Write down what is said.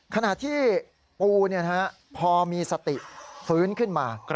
ขณะที่ปูพอมีสติฟื้นขึ้นมา